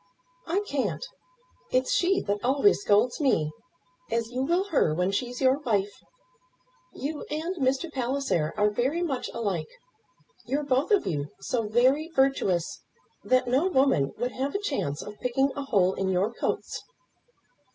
"I can't. It's she that always scolds me, as you will her, when she's your wife. You and Mr. Palliser are very much alike. You're both of you so very virtuous that no woman would have a chance of picking a hole in your coats."